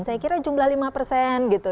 saya kira jumlah lima persen gitu